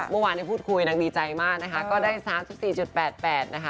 ทุกวันเราพูดคุยดีใจมากนะคะก็ได้๓๔๘๘นะค่ะ